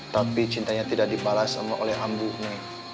tapi cintanya tidak dibalas sama oleh ambu neng